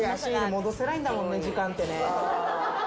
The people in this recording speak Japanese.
戻せないんだもんね、時間って。